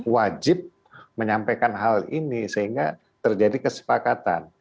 wajib menyampaikan hal ini sehingga terjadi kesepakatan